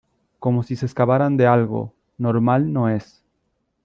como si se escaparan de algo. normal no es .